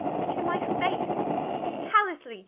to my face! callously!